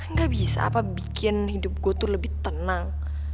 nggak bisa apa bikin hidup gue tuh lebih tenang